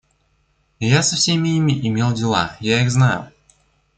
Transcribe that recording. Я со всеми ими имел дела, я их знаю.